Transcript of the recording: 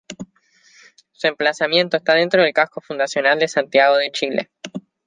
Su emplazamiento está dentro del casco fundacional de Santiago de Chile.